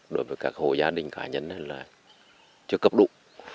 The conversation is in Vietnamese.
đối với các hộ gia đình cá nhân chưa cấp đủ